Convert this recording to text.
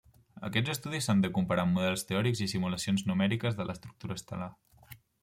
Aquests estudis s'han de comparar amb models teòrics i simulacions numèriques de l'estructura estel·lar.